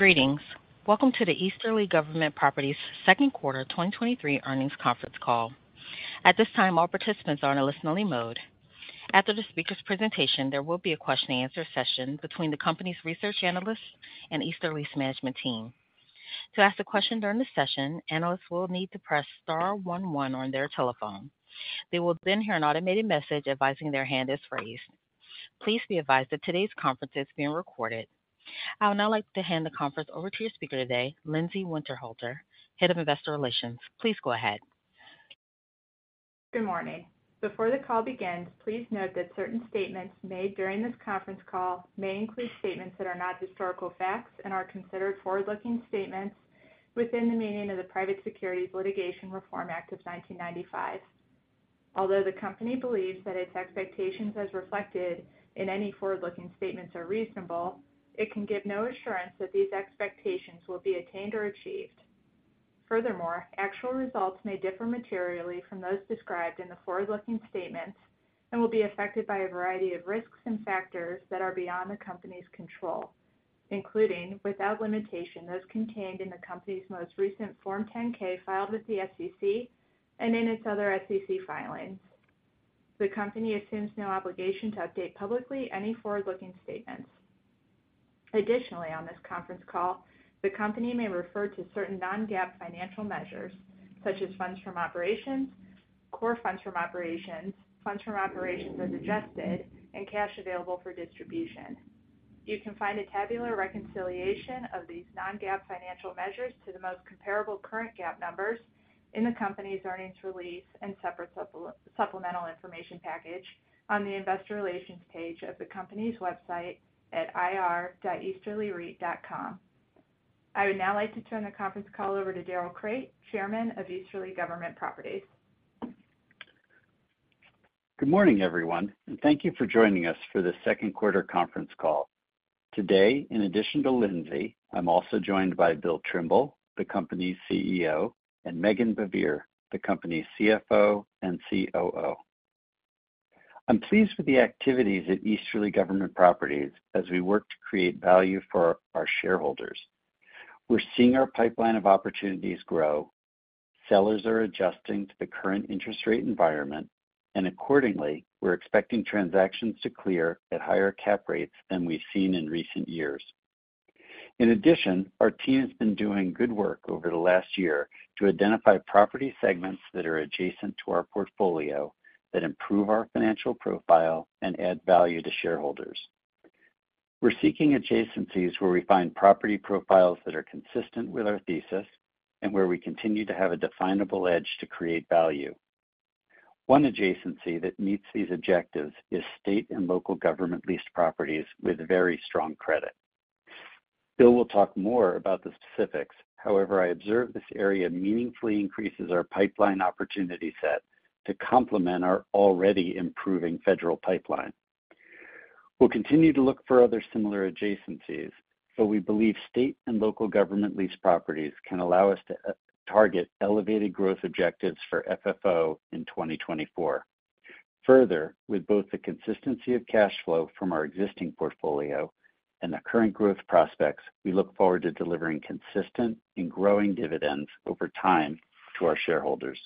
Greetings. Welcome to the Easterly Government Properties Second Quarter 2023 Earnings Conference Call. At this time, all participants are in a listen-only mode. After the speaker's presentation, there will be a question-and-answer session between the company's research analysts and Easterly's management team. To ask a question during the session, analysts will need to press star one one on their telephone. They will hear an automated message advising their hand is raised. Please be advised that today's conference is being recorded. I would now like to hand the conference over to your speaker today, Lindsay Winterhalter, Head of Investor Relations. Please go ahead. Good morning. Before the call begins, please note that certain statements made during this conference call may include statements that are not historical facts and are considered forward-looking statements within the meaning of the Private Securities Litigation Reform Act of 1995. Although the company believes that its expectations, as reflected in any forward-looking statements, are reasonable, it can give no assurance that these expectations will be attained or achieved. Furthermore, actual results may differ materially from those described in the forward-looking statements and will be affected by a variety of risks and factors that are beyond the company's control, including, without limitation, those contained in the company's most recent Form 10-K filed with the SEC and in its other SEC filings. The company assumes no obligation to update publicly any forward-looking statements. Additionally, on this conference call, the company may refer to certain non-GAAP financial measures, such as funds from operations, core funds from operations, funds from operations as adjusted, and cash available for distribution. You can find a tabular reconciliation of these non-GAAP financial measures to the most comparable current GAAP numbers in the company's earnings release and separate supplemental information package on the investor relations page of the company's website at ir.easterlyreit.com. I would now like to turn the conference call over to Darrell Crate, Chairman of Easterly Government Properties. Good morning, everyone, and thank you for joining us for this second quarter conference call. Today, in addition to Lindsey, I'm also joined by Bill Trimble, the company's CEO, and Meghan Baivier, the company's CFO and COO. I'm pleased with the activities at Easterly Government Properties as we work to create value for our shareholders. We're seeing our pipeline of opportunities grow. Sellers are adjusting to the current interest rate environment, and accordingly, we're expecting transactions to clear at higher cap rates than we've seen in recent years. In addition, our team has been doing good work over the last year to identify property segments that are adjacent to our portfolio, that improve our financial profile and add value to shareholders. We're seeking adjacencies where we find property profiles that are consistent with our thesis and where we continue to have a definable edge to create value. One adjacency that meets these objectives is state and local government leased properties with very strong credit. Bill will talk more about the specifics. I observe this area meaningfully increases our pipeline opportunity set to complement our already improving federal pipeline. We'll continue to look for other similar adjacencies, we believe state and local government leased properties can allow us to target elevated growth objectives for FFO in 2024. With both the consistency of cash flow from our existing portfolio and the current growth prospects, we look forward to delivering consistent and growing dividends over time to our shareholders.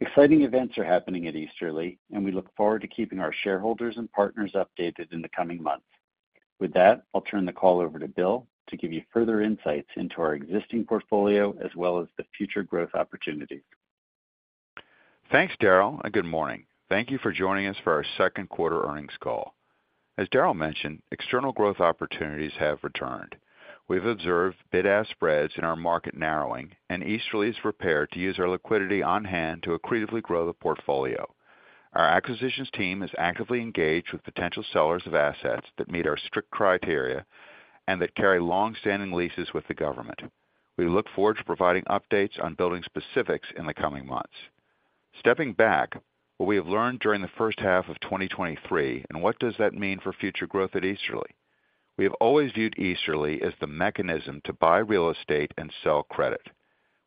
Exciting events are happening at Easterly, we look forward to keeping our shareholders and partners updated in the coming months. With that, I'll turn the call over to Bill to give you further insights into our existing portfolio as well as the future growth opportunities. Thanks, Darrell. Good morning. Thank you for joining us for our 2nd quarter earnings call. As Darrell mentioned, external growth opportunities have returned. We've observed bid-ask spreads in our market narrowing. Easterly is prepared to use our liquidity on hand to accretively grow the portfolio. Our acquisitions team is actively engaged with potential sellers of assets that meet our strict criteria and that carry long-standing leases with the government. We look forward to providing updates on building specifics in the coming months. Stepping back, what we have learned during the 1st half of 2023. What does that mean for future growth at Easterly? We have always viewed Easterly as the mechanism to buy real estate and sell credit.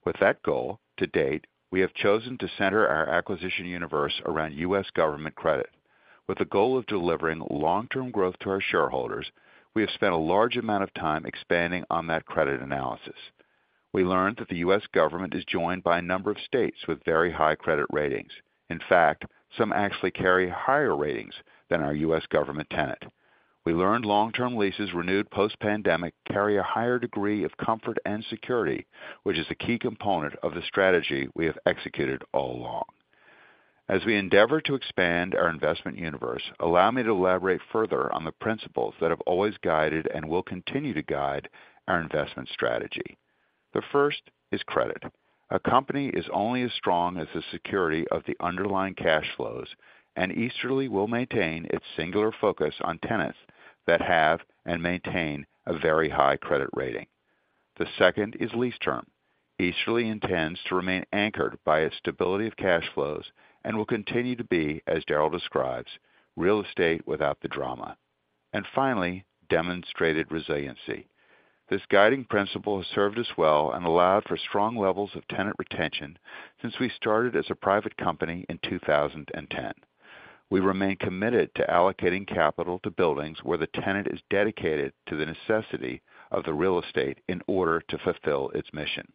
With that goal, to date, we have chosen to center our acquisition universe around U.S. Government credit. With the goal of delivering long-term growth to our shareholders, we have spent a large amount of time expanding on that credit analysis. We learned that the U.S. government is joined by a number of states with very high credit ratings. In fact, some actually carry higher ratings than our U.S. government tenant. We learned long-term leases, renewed post-pandemic, carry a higher degree of comfort and security, which is a key component of the strategy we have executed all along. As we endeavor to expand our investment universe, allow me to elaborate further on the principles that have always guided and will continue to guide our investment strategy. The first is credit. A company is only as strong as the security of the underlying cash flows, and Easterly will maintain its singular focus on tenants that have and maintain a very high credit rating. The second is lease term. Easterly intends to remain anchored by its stability of cash flows and will continue to be, as Darel describes, real estate without the drama. Finally, demonstrated resiliency. This guiding principle has served us well and allowed for strong levels of tenant retention since we started as a private company in 2010. We remain committed to allocating capital to buildings where the tenant is dedicated to the necessity of the real estate in order to fulfill its mission.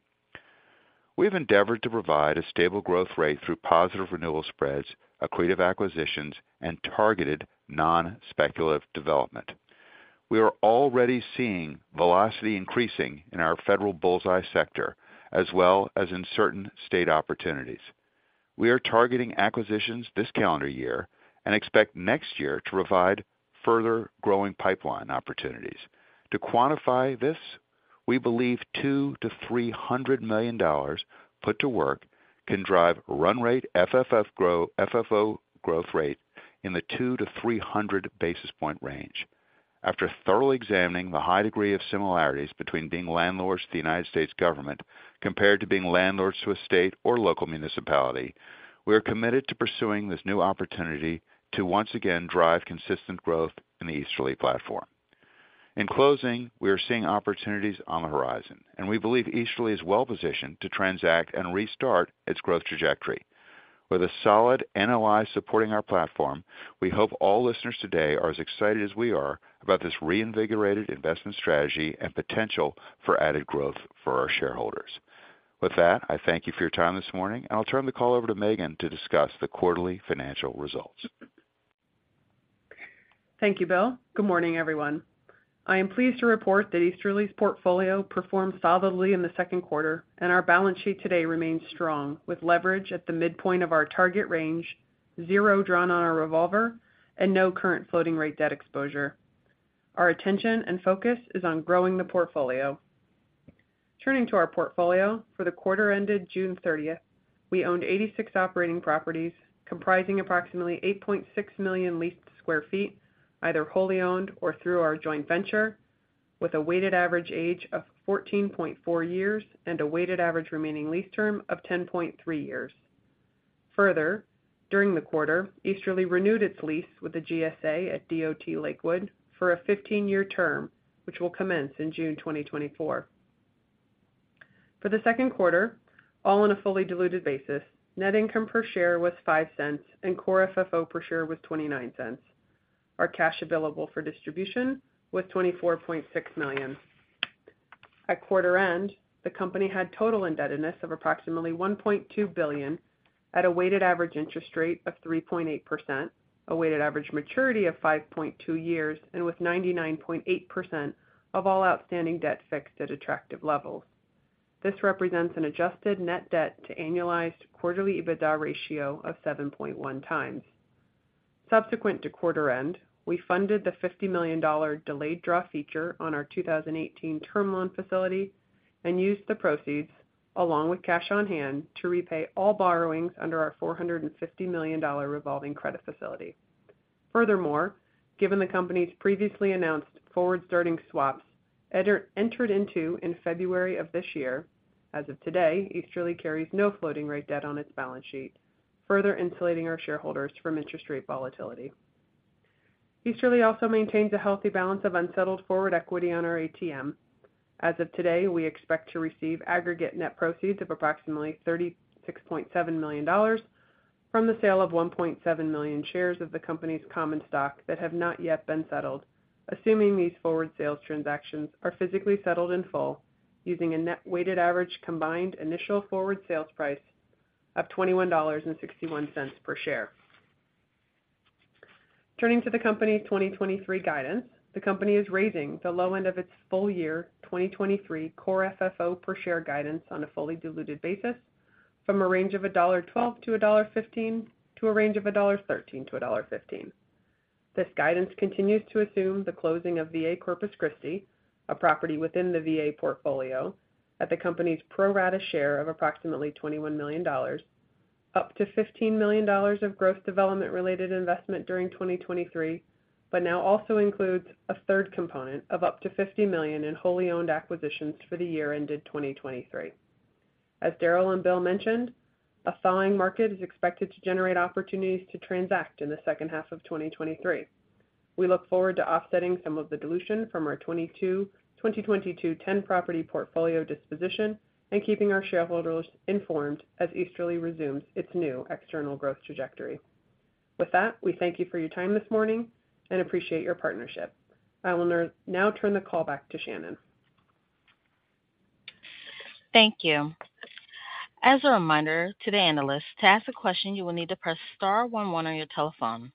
We've endeavored to provide a stable growth rate through positive renewal spreads, accretive acquisitions, and targeted non-speculative development. We are already seeing velocity increasing in our federal bull's eye sector, as well as in certain state opportunities. We are targeting acquisitions this calendar year and expect next year to provide further growing pipeline opportunities. To quantify this, we believe $200 million-$300 million put to work can drive run rate, FFO growth rate in the 200-300 basis point range. After thoroughly examining the high degree of similarities between being landlords to the United States government compared to being landlords to a state or local municipality, we are committed to pursuing this new opportunity to once again drive consistent growth in the Easterly platform. In closing, we are seeing opportunities on the horizon. We believe Easterly is well positioned to transact and restart its growth trajectory. With a solid NOI supporting our platform, we hope all listeners today are as excited as we are about this reinvigorated investment strategy and potential for added growth for our shareholders. With that, I thank you for your time this morning, and I'll turn the call over to Meghan to discuss the quarterly financial results. Thank you, Bill. Good morning, everyone. I am pleased to report that Easterly's portfolio performed solidly in the second quarter, and our balance sheet today remains strong, with leverage at the midpoint of our target range, 0 drawn on our revolver, and no current floating rate debt exposure. Our attention and focus is on growing the portfolio. Turning to our portfolio, for the quarter ended June thirtieth, we owned 86 operating properties, comprising approximately 8.6 million leased sq ft, either wholly owned or through our joint venture, with a weighted average age of 14.4 years and a weighted average remaining lease term of 10.3 years. Further, during the quarter, Easterly renewed its lease with the GSA at DOT Lakewood for a 15-year term, which will commence in June 2024. For the second quarter, all on a fully diluted basis, net income per share was $0.05, and Core FFO per share was $0.29. Our cash available for distribution was $24.6 million. At quarter end, the company had total indebtedness of approximately $1.2 billion at a weighted average interest rate of 3.8%, a weighted average maturity of 5.2 years, and with 99.8% of all outstanding debt fixed at attractive levels. This represents an adjusted net debt to annualized quarterly EBITDA ratio of 7.1 times. Subsequent to quarter end, we funded the $50 million delayed draw feature on our 2018 term loan facility and used the proceeds, along with cash on hand, to repay all borrowings under our $450 million revolving credit facility. Furthermore, given the company's previously announced forward starting swaps, entered into in February of this year, as of today, Easterly carries no floating rate debt on its balance sheet, further insulating our shareholders from interest rate volatility. Easterly also maintains a healthy balance of unsettled forward equity on our ATM. As of today, we expect to receive aggregate net proceeds of approximately $36.7 million from the sale of 1.7 million shares of the company's common stock that have not yet been settled, assuming these forward sales transactions are physically settled in full, using a net weighted average combined initial forward sales price of $21.61 per share. Turning to the company's 2023 guidance, the company is raising the low end of its full year 2023 Core FFO per share guidance on a fully diluted basis from a range of $1.12-$1.15, to a range of $1.13-$1.15. This guidance continues to assume the closing of VA Corpus Christi, a property within the VA portfolio, at the company's pro rata share of approximately $21 million, up to $15 million of gross development-related investment during 2023, but now also includes a third component of up to $50 million in wholly owned acquisitions for the year ended 2023. As Darrell and Bill mentioned, a thawing market is expected to generate opportunities to transact in the second half of 2023. We look forward to offsetting some of the dilution from our 2022 10 property portfolio disposition and keeping our shareholders informed as Easterly resumes its new external growth trajectory. With that, we thank you for your time this morning and appreciate your partnership. I will now turn the call back to Shannon. Thank you. As a reminder to the analysts, to ask a question, you will need to press star 11 on your telephone.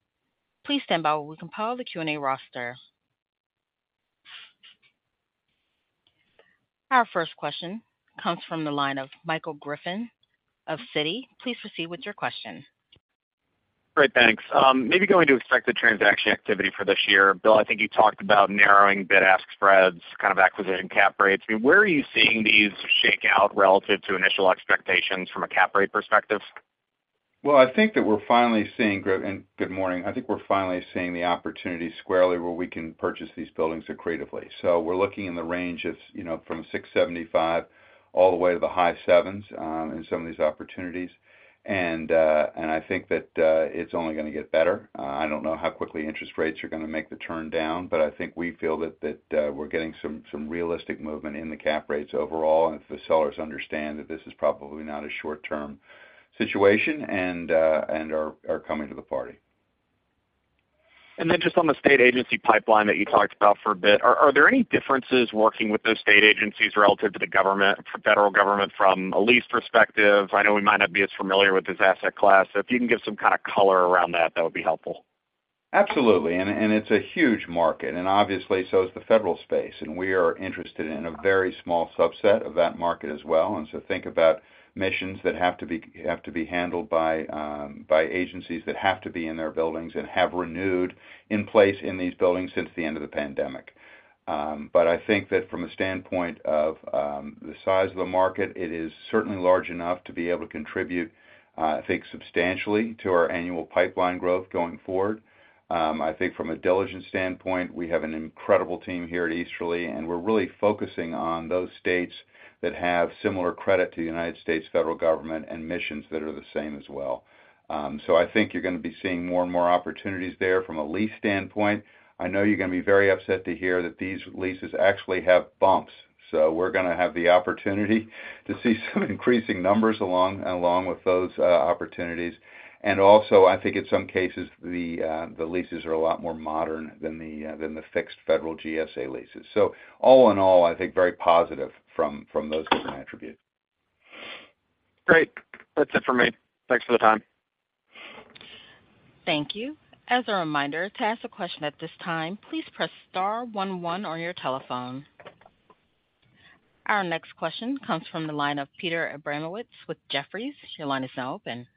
Please stand by while we compile the Q&A roster. Our first question comes from the line of Michael Griffin of Citi. Please proceed with your question. Great, thanks. Maybe going to expect the transaction activity for this year. Bill, I think you talked about narrowing bid-ask spreads, kind of acquisition cap rates. Where are you seeing these shake out relative to initial expectations from a cap rate perspective? Well, I think that we're finally seeing, Griffin. Good morning. I think we're finally seeing the opportunity squarely where we can purchase these buildings accretively. We're looking in the range of, you know, from 6.75% all the way to the high sevens in some of these opportunities. I think that it's only gonna get better. I don't know how quickly interest rates are gonna make the turn down, but I think we feel that, that we're getting some realistic movement in the cap rates overall, and the sellers understand that this is probably not a short-term situation and are coming to the party. ... And then just on the state agency pipeline that you talked about for a bit, are there any differences working with those state agencies relative to the government, federal government, from a lease perspective? I know we might not be as familiar with this asset class. If you can give some kind of color around that, that would be helpful. Absolutely. It's a huge market, and obviously, so is the federal space, and we are interested in a very small subset of that market as well. So think about missions that have to be, have to be handled by, by agencies that have to be in their buildings and have renewed in place in these buildings since the end of the pandemic. I think that from a standpoint of, the size of the market, it is certainly large enough to be able to contribute, I think, substantially to our annual pipeline growth going forward. I think from a diligence standpoint, we have an incredible team here at Easterly, and we're really focusing on those states that have similar credit to the United States federal government and missions that are the same as well. I think you're gonna be seeing more and more opportunities there from a lease standpoint. I know you're gonna be very upset to hear that these leases actually have bumps. We're gonna have the opportunity to see some increasing numbers along, along with those opportunities. Also, I think in some cases, the leases are a lot more modern than the than the fixed federal GSA leases. All in all, I think very positive from, from those as an attribute. Great. That's it for me. Thanks for the time. Thank you. As a reminder, to ask a question at this time, please press star one, one on your telephone. Our next question comes from the line of Peter Abramowitz with Jefferies. Your line is now open.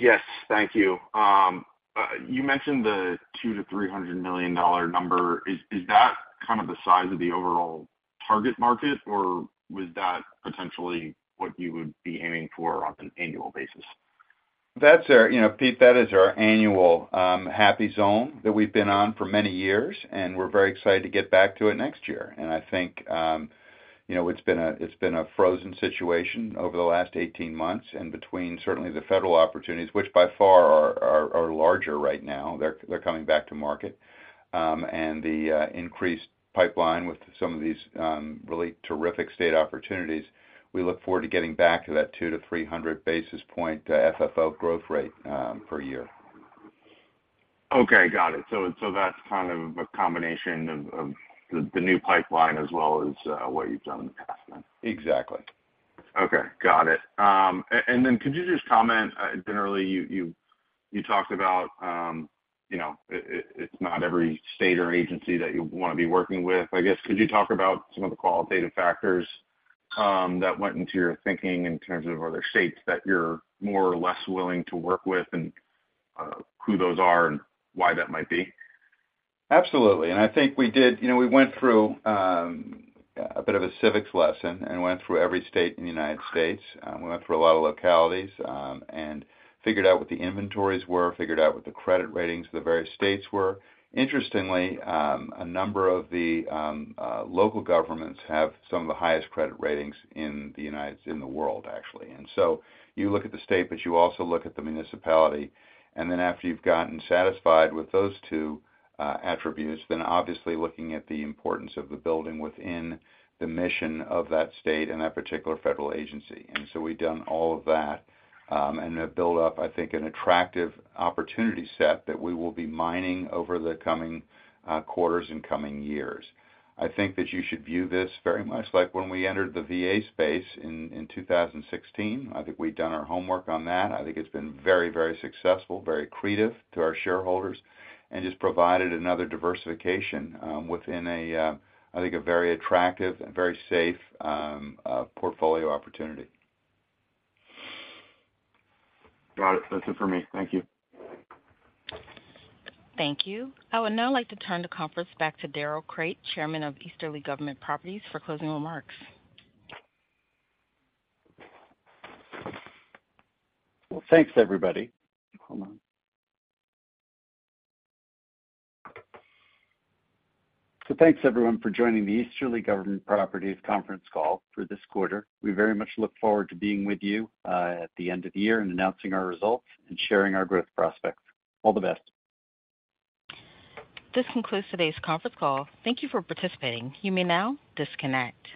Yes, thank you. You mentioned the $200 million-$300 million number. Is that kind of the size of the overall target market, or was that potentially what you would be aiming for on an annual basis? That's our... You know, Pete, that is our annual happy zone that we've been on for many years. We're very excited to get back to it next year. I think, you know, it's been a, it's been a frozen situation over the last 18 months. Between certainly the federal opportunities, which by far are, are, are larger right now, they're, they're coming back to market, and the increased pipeline with some of these really terrific state opportunities, we look forward to getting back to that 200-300 basis point to FFO growth rate per year. Okay, got it. So that's kind of a combination of, of the, the new pipeline as well as, what you've done in the past then? Exactly. Okay, got it. Could you just comment, generally, you, you, you talked about, you know, it, it, it's not every state or agency that you want to be working with. I guess, could you talk about some of the qualitative factors that went into your thinking in terms of other states that you're more or less willing to work with, and who those are and why that might be? Absolutely. I think we did... You know, we went through a bit of a civics lesson and went through every state in the United States. We went through a lot of localities and figured out what the inventories were, figured out what the credit ratings of the various states were. Interestingly, a number of the local governments have some of the highest credit ratings in the world, actually. So you look at the state, but you also look at the municipality, and then after you've gotten satisfied with those two attributes, then obviously looking at the importance of the building within the mission of that state and that particular federal agency. So we've done all of that, and have built up, I think, an attractive opportunity set that we will be mining over the coming quarters and coming years. I think that you should view this very much like when we entered the VA space in, in 2016. I think we've done our homework on that. I think it's been very, very successful, very accretive to our shareholders, and just provided another diversification within a, I think, a very attractive and very safe portfolio opportunity. Got it. That's it for me. Thank you. Thank you. I would now like to turn the conference back to Darrell Crate, Chairman of Easterly Government Properties, for closing remarks. Well, thanks, everybody. Hold on. Thanks, everyone, for joining the Easterly Government Properties conference call for this quarter. We very much look forward to being with you at the end of the year and announcing our results and sharing our growth prospects. All the best. This concludes today's conference call. Thank you for participating. You may now disconnect.